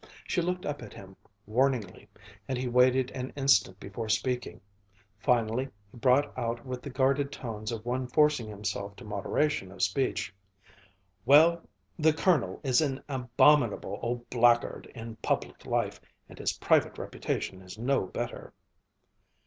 She looked up at him warningly, and he waited an instant before speaking. Finally he brought out with the guarded tone of one forcing himself to moderation of speech, "Well, the Colonel is an abominable old black guard in public life, and his private reputation is no better."